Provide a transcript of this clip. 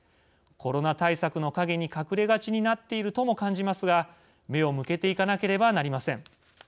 コロナ対策の陰に隠れがちになっているとも感じますが目を向けていかなければなりません。